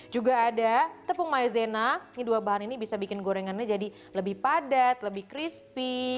juga ada tepung maizena ini dua bahan ini bisa bikin gorengannya jadi lebih padat lebih crispy